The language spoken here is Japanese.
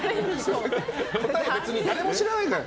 答え、別に誰も知らないから。